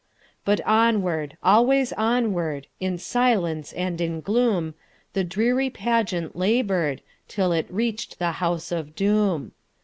But onwards—always onwards, In silence and in gloom, The dreary pageant labor'd, Till it reach'd the house of doom.